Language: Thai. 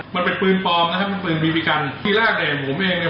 มันเป็นปืนปลอมนะครับเป็นปืนบีบีกันที่แรกเนี่ยผมเองเนี่ย